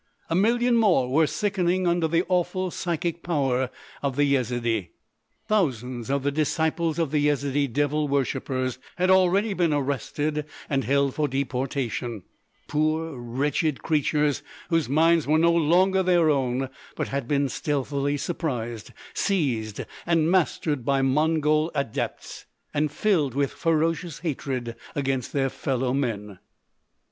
A million more were sickening under the awful psychic power of the Yezidee. Thousands of the disciples of the Yezidee devil worshipers had already been arrested and held for deportation,—poor, wretched creatures whose minds were no longer their own, but had been stealthily surprised, seized and mastered by Mongol adepts and filled with ferocious hatred against their fellow men.